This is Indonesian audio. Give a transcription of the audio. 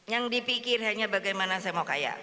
yang dipikir hanya bagaimana saya mau kaya